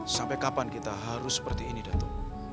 sampai kapan kita harus seperti ini datang